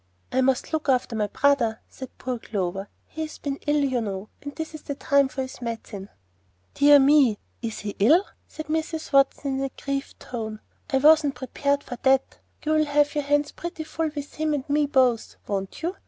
"I must look after my brother," said poor Clover; "he's been ill, you know, and this is the time for his medicine." "Dear me! is he ill?" said Mrs. Watson, in an aggrieved tone. "I wasn't prepared for that. You'll have your hands pretty full with him and me both, won't you?